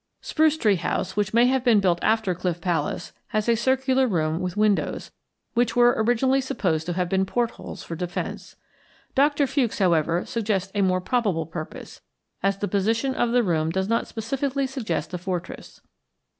Spruce Tree House, which may have been built after Cliff Palace, has a circular room with windows which were originally supposed to have been port holes for defense. Doctor Fewkes, however, suggests a more probable purpose, as the position of the room does not specially suggest a fortress.